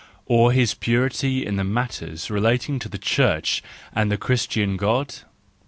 Or his purity in matters relating to the Church and the Christian God